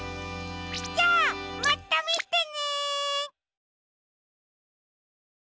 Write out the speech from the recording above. じゃあまたみてね！